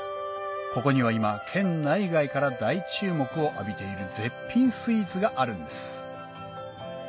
ここには今県内外から大注目を浴びている絶品スイーツがあるんです